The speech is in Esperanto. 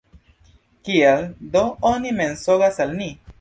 Kial do oni mensogas al ni?